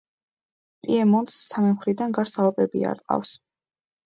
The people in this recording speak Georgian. პიემონტს სამი მხრიდან გარს ალპები არტყავს.